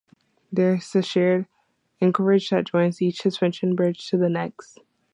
There is a shared anchorage that joins each suspension bridge to the next.